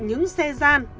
những xe gian